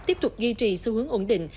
tiếp tục duy trì xu hướng ổn định